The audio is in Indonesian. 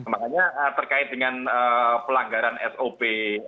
makanya terkait dengan pelanggaran sop